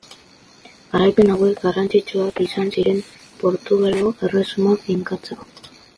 Garaipen hauek garrantzitsuak izan ziren Portugalgo Erresuma finkatzeko.